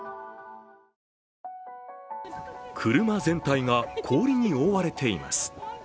車全体が氷に覆われています。